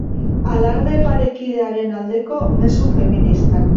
Alarde parekidearen aldeko mezu feministak.